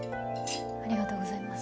ありがとうございます。